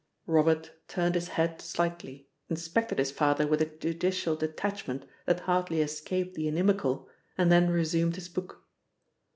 Robert turned his head slightly, inspected his father with a judicial detachment that hardly escaped the inimical, and then resumed his book.